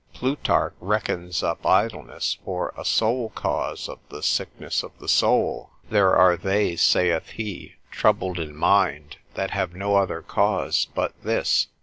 Plutarch reckons up idleness for a sole cause of the sickness of the soul: There are they (saith he) troubled in mind, that have no other cause but this.